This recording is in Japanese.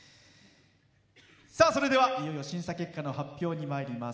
それではいよいよ審査結果の発表にまいります。